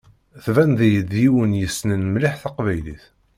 Tbaneḍ-iyi-d d yiwen yessnen mliḥ taqbaylit.